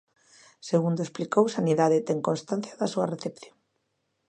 Segundo explicou, Sanidade ten constancia da súa recepción.